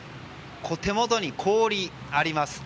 手元に氷があります。